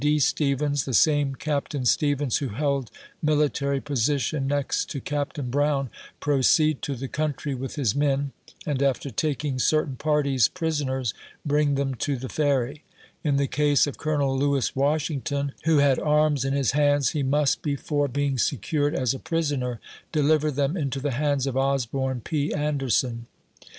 B*. Stevens (the same Captain Stevens who held military position next to Captain Brown) proceed to the country with his men, and after taking certain parties prisoners bring them to the Ferry. In the case of Colonel Lewis Washington, who had arms in his hands, he must, before THE ORDERS OF CAPT. BROWN. 31 being secured as a prisoner, deliver them into the hands of Osborne P. Anderson.